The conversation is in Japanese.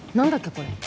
これ。